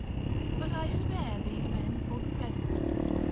But I spare these men for the present.